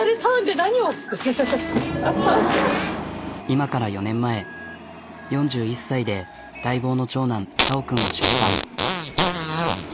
今から４年前４１歳で待望の長男道君を出産。